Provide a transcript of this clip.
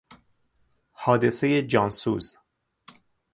حادثهی جانسوز